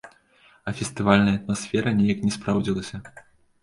А фестывальная атмасфера неяк не спраўдзілася.